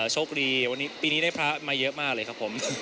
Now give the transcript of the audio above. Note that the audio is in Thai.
โชคดีวันนี้ปีนี้ได้พระมาเยอะมากเลยครับผม